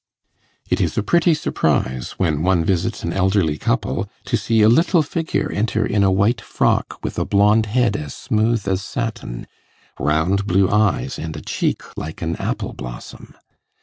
It is a pretty surprise, when one visits an elderly couple, to see a little figure enter in a white frock with a blond head as smooth as satin, round blue eyes, and a cheek like an apple blossom.